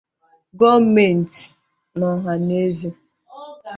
gọọmentị na ọhaneze